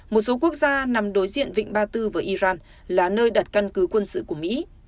một số quốc gia nằm đối diện vịnh ba tư với iran là nơi đặt căn cứ quân sự của mỹ